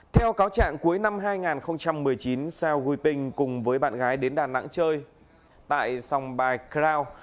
theo cáo trạng cuối năm hai nghìn một mươi chín sao wiping cùng với bạn gái đến đà nẵng chơi tại sòng bài crown